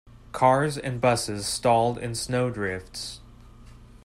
Cars and busses stalled in snow drifts.